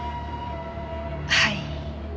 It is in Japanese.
はい。